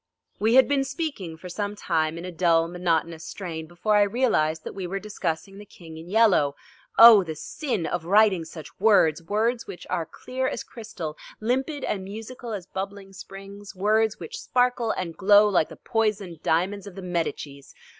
We had been speaking for some time in a dull monotonous strain before I realized that we were discussing The King in Yellow. Oh the sin of writing such words, words which are clear as crystal, limpid and musical as bubbling springs, words which sparkle and glow like the poisoned diamonds of the Medicis!